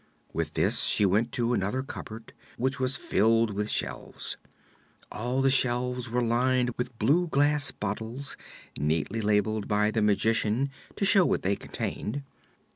With this she went to another cupboard which was filled with shelves. All the shelves were lined with blue glass bottles, neatly labeled by the Magician to show what they contained.